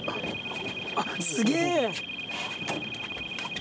あっすげぇ！